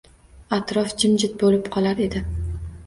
Atrof jimjit bo‘lib qolar edi.